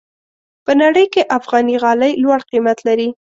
په نړۍ کې افغاني غالۍ لوړ قیمت لري.